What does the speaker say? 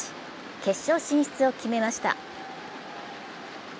決勝進出を決めました。